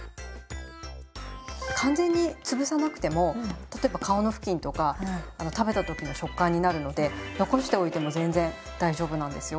完全につぶさなくても例えば皮の付近とか食べた時の食感になるので残しておいても全然大丈夫なんですよ。